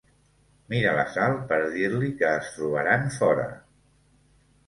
Mira la Sal per dir-li que es trobaran fora.